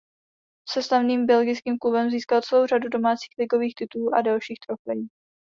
Se slavným belgickým klubem získal celou řadu domácích ligových titulů a dalších trofejí.